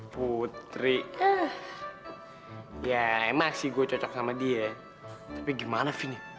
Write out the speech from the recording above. putri ya emang sih gue cocok sama dia tapi gimana fini